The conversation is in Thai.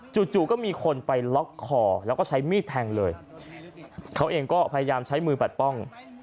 จู่ก็มีคนไปล็อกคอแล้วก็ใช้มีดแทงเลยเขาเองก็พยายามใช้มือปัดป้อง